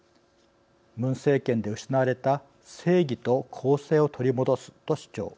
「ムン政権で失われた正義と公正を取り戻す」と主張。